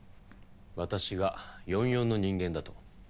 私が４４の人間だと。